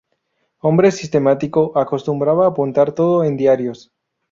Hombre sistemático, acostumbraba apuntar todo en diarios.